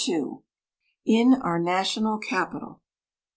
IN OUR NATIONAL CAPITAL.